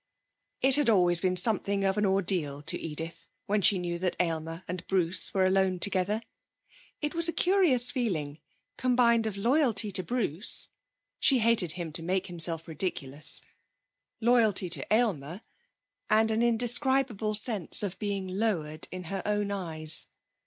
It had always been something of an ordeal to Edith when she knew that Aylmer and Bruce were alone together. It was a curious feeling, combined of loyalty to Bruce (she hated him to make himself ridiculous), loyalty to Aylmer, and an indescribable sense of being lowered in her own eyes.